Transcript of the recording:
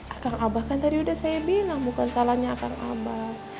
akang abah kan tadi udah saya bilang bukan salahnya akang abah